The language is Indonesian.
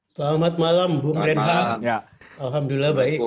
selamat malam bumren han alhamdulillah baik